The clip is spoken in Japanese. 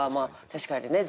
確かにね。